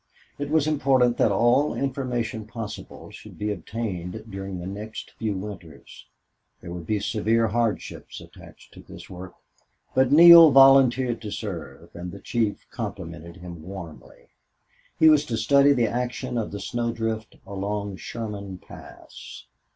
It was important that all information possible should be obtained during the next few winters. There would be severe hardships attached to this work, but Neale volunteered to serve, and the chief complimented him warmly. He was to study the action of the snowdrift along Sherman Pass.